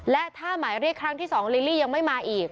และถ้าหมายเรียกครั้งที่๒ลิลลี่ยังไม่มาอีก